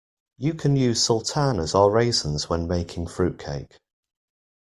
You can use sultanas or raisins when making fruitcake